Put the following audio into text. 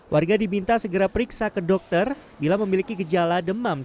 warga diminta segera periksa ke dokter bila memiliki gejala demam